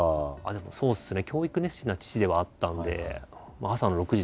そうですね。